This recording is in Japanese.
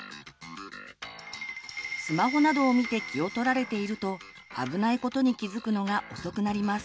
スマホなどを見て気をとられているとあぶないことに気付くのが遅くなります。